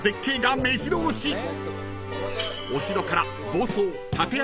［お城から］